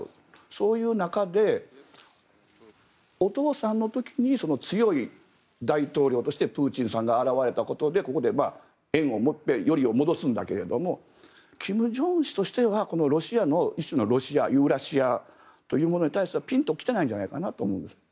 そういう中でお父さんの時に強い大統領としてプーチンさんが現れたことでここで縁を持ってよりを戻すんだけど金正恩氏としてはこのロシアの一種のユーラシアというものに対してはピンと来てないんじゃないかなと思うんです。